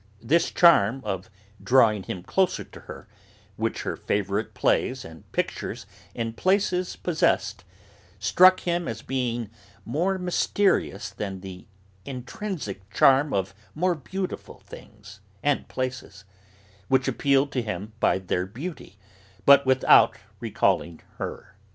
This charm of drawing him closer to her, which her favourite plays and pictures and places possessed, struck him as being more mysterious than the intrinsic charm of more beautiful things and places, which appealed to him by their beauty, but without recalling her.